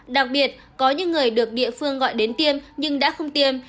đặc biệt có những người được địa phương gọi đến tiêm nhưng đã không tiêm